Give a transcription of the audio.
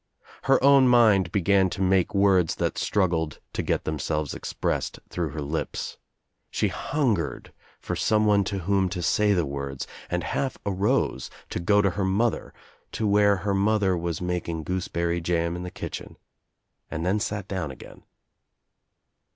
Her own mind began to make words that struggled to get themselves ex pressed through her lips. She hungered for someone to whom to say the words and half arose to go to her 198 THE TRIUMPH OF THE EGG mother, to where her mother was making gooseberry jam in the kitchen, and then sat down again.